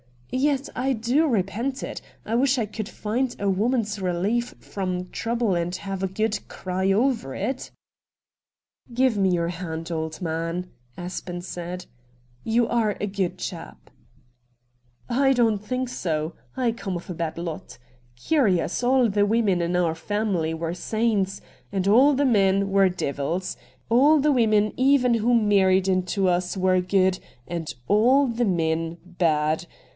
Yet I do repent of it. I wish I could find a woman's relief from trouble and have a good cry over it.' AN INTERVIEW WITH MR. RATT GUNDY 243 ' Give me your hand, old man,' Aspen said ;' you are a good chap.' * I don't think so ; I come of a bad lot. Curious, all the women in our family were saints, and all the men were devils. All the women even who married into us were good, and all the men bad.